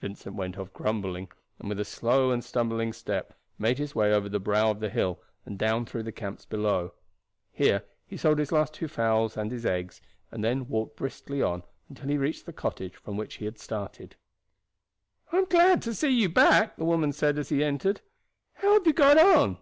Vincent went off grumbling, and with a slow and stumbling step made his way over the brow of the hill and down through the camps behind. Here he sold his last two fowls and his eggs, and then walked briskly on until he reached the cottage from which he had started. "I am glad to see you back," the woman said as he entered. "How have you got on?"